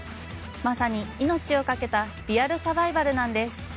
まさに命を懸けたリアルサバイバルなんです。